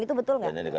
itu betul nggak